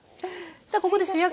さあここで主役。